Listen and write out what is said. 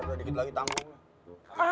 ada dikit lagi tanggungnya